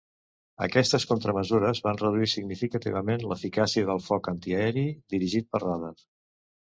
Aquestes contramesures van reduir significativament l'eficàcia del foc antiaeri dirigit per radar.